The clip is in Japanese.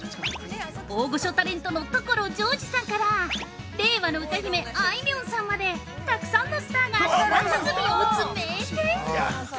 大御所タレントの所ジョージさんから令和の歌姫・あいみょんさんまでたくさんのスターが舌鼓を打つ名店。